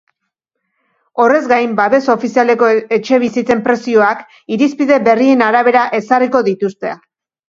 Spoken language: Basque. Horrez gain, babes ofizialeko etxebizitzen prezioak irizpide berrien arabera ezarriko dituzte.